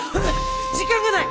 時間がない！